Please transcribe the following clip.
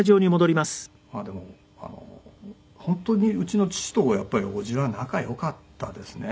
まあでもあの本当にうちの父とやっぱり叔父は仲良かったですね。